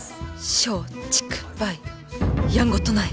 松竹梅やんごとない